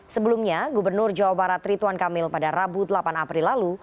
sebelumnya gubernur jawa barat rituan kamil pada rabu delapan april lalu